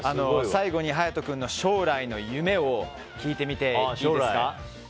最後に勇人君の将来の夢を聞いてみていいですか？